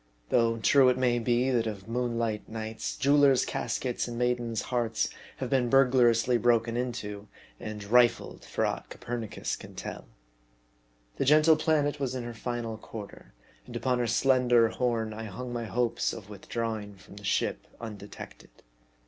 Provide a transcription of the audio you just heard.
Though true it may be, that of moonlight nights, jewelers' caskets and maidens' hearts have been burglariously broken into and rifled, for aught Copernicus can tell. The gentle planet was in her final quarter, and upon her slender horn I hung my hopes of withdrawing from the ship undetected.